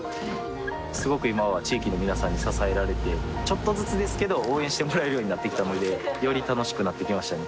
すごく今は地域の皆さんに支えられてちょっとずつですけど応援してもらえるようになってきたのでより楽しくなってきましたね